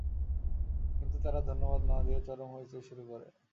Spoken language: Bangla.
কিন্তু তারা ধন্যবাদ না দিয়ে চরম হৈ চৈ শুরু করে।